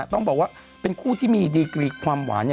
ต้องบอกว่าเป็นคู่ที่มีดีกรีความหวานเนี่ย